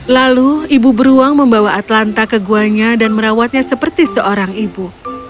lalu ibu beruang membawa atlanta ke guanya dan merawatnya seperti seorang ibu